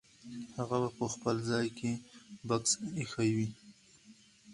هغه به په خپل ځای کې بکس ایښی وي.